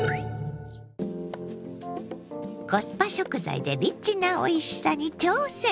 コスパ食材でリッチなおいしさに挑戦！